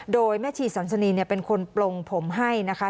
โดยแม่ชีสันสนีเป็นคนปลงผมให้นะคะ